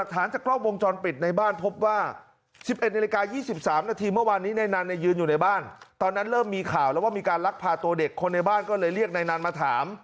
ตอนนั้นเริ่มมีข่าวแล้วว่ามีการลักภาพตัวเด็กคนในบ้านก็เลยเรียกนายนานมาถาม